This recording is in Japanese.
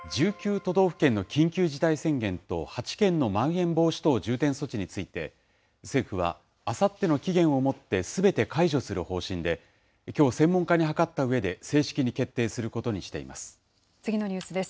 都道府県の緊急事態宣言と８県のまん延防止等重点措置について、政府はあさっての期限をもってすべて解除する方針で、きょう、専門家に諮ったうえで、正式に決定することにしています。